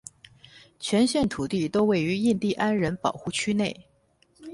全县土地都位于印地安人保护区内。